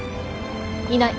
いない。